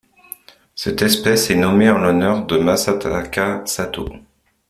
Cette espèce est nommée en l'honneur de Masataka Sato.